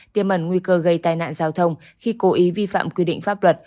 tiêm ẩn nguy cơ gây tai nạn giao thông khi cố ý vi phạm quy định pháp luật